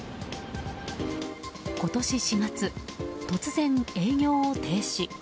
今年４月、突然営業を停止。